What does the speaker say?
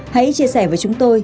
hãy chia sẻ với chúng tôi